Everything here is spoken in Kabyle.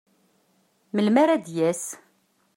Melmi ara d-yas?